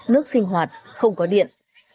nước sinh hoạt không có điện